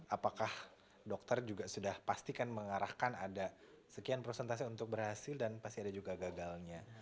apakah dokter juga sudah pasti kan mengarahkan ada sekian persentase untuk berhasil dan pasti ada juga gagalnya